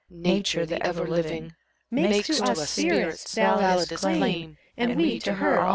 Nature, the Ever living, Makes to us spirits Validest claim, and we to her also.